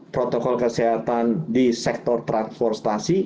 protokol kesehatan di sektor transportasi